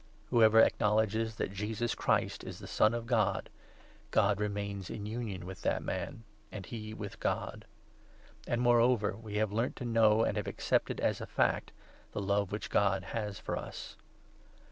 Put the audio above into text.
Who 15 ever acknowledges that Jesus Christ is the Son of God — God remains in union with that man, and he with God. And, 16 moreover, we have learnt to know, and have accepted as a fact, the love which God has for us.